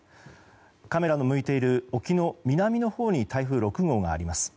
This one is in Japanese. カメラの向いている沖の南のほうに台風６号があります。